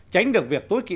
tránh được việc tối kỵ